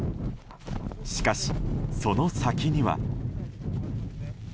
しかし、その先には。